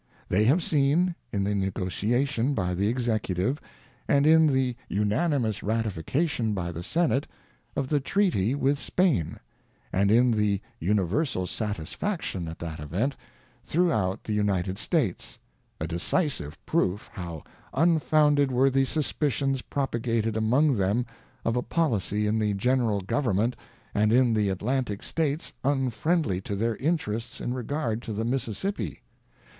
ŌĆö They have seen, in the negotiation by the Executive, and in. the unanimous ratification by the Senate, of the Treaty with Spain, and in the universal satisfaction at that event, throughout the United States, a decisive proof how un founded were the suspicions propagated among them of a policy in the General Government and in the Atlantic States un friendly to their interests in regard to the Mississippi.